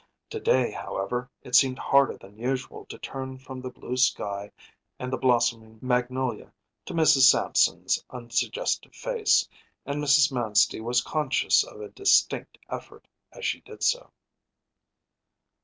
To day, however, it seemed harder than usual to turn from the blue sky and the blossoming magnolia to Mrs. Sampson’s unsuggestive face, and Mrs. Manstey was conscious of a distinct effort as she did so.